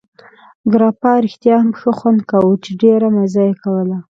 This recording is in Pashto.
ګراپا رښتیا هم ښه خوند کاوه، چې ډېره مزه یې کوله.